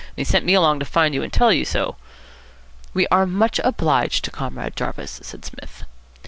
And he sent me along to find you and tell you so." "We are much obliged to Comrade Jarvis," said Psmith.